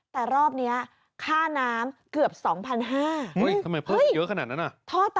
แต่รอบนี้ค่าน้ำเกือบ๒๕๐๐บาท